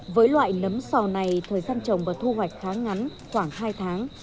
với loại nấm sò này thời gian trồng và thu hoạch khá ngắn khoảng hai tháng